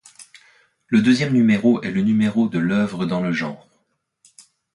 Le deuxième numéro est le numéro de l'œuvre dans le genre.